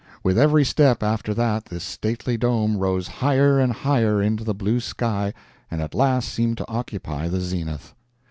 With every step, after that, this stately dome rose higher and higher into the blue sky, and at last seemed to occupy the zenith.